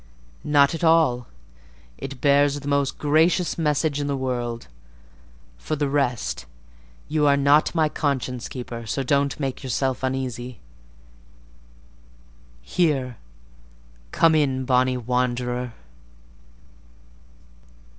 "Not at all—it bears the most gracious message in the world: for the rest, you are not my conscience keeper, so don't make yourself uneasy. Here, come in, bonny wanderer!"